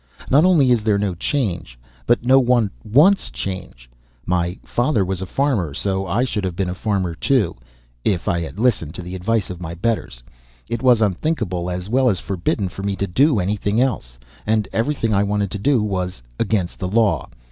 Not only is there no change but no one wants change. My father was a farmer, so I should have been a farmer too if I had listened to the advice of my betters. It was unthinkable, as well as forbidden for me to do anything else. And everything I wanted to do was against the law.